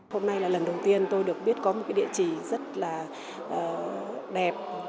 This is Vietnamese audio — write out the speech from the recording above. hôm nay là lần đầu tiên tôi được biết có một cái địa chỉ rất là đẹp